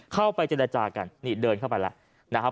เข้าไปเจรจากันเดินเข้าไปแล้ว